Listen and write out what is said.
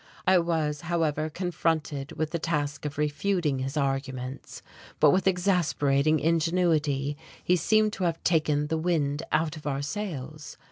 I was, however, confronted with the task of refuting his arguments: but with exasperating ingenuity, he seemed to have taken the wind out of our sails.